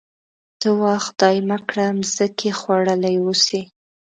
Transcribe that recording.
ته وا خدای مه کړه مځکې خوړلي اوسي.